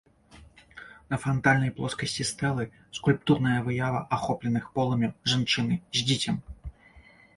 На франтальнай плоскасці стэлы скульптурная выява ахопленых полымем жанчыны з дзіцем.